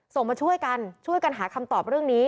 มาช่วยกันช่วยกันหาคำตอบเรื่องนี้